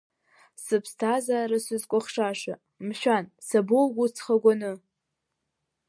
Сыԥсҭазаара сызкәыхшаша, мшәан, сабоуго ҵхагәаны?!